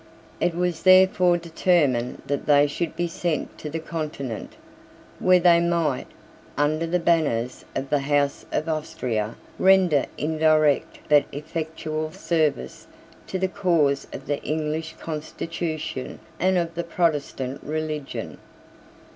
It was therefore determined that they should be sent to the Continent, where they might, under the banners of the House of Austria, render indirect but effectual service to the cause of the English constitution and of the Protestant religion.